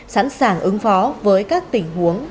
sẵn sàng ứng phó với các tình huống